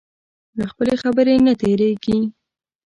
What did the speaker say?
له خپلې خبرې نه تېرېږي.